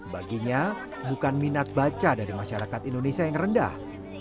baginya bukan minat baca dari masyarakat indonesia yang rendah